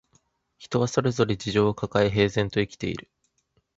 人はそれぞれ事情をかかえ、平然と生きている